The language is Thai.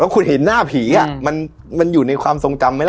แล้วคุณเห็นหน้าผีอ่ะอืมมันมันอยู่ในความทรงจำไหมล่ะ